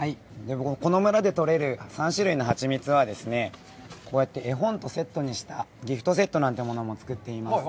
この村で取れる３種類のハチミツはですね、こうやって絵本とセットにしたギフトセットなんてものも作っています。